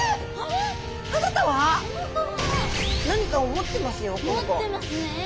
持ってますね。